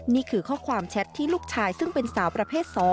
นี่คือข้อความแชทที่ลูกชายซึ่งเป็นสาวประเภท๒